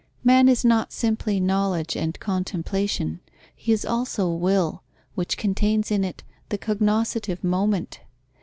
Man is not simply knowledge and contemplation: he is also will, which contains in it the cognoscitive moment.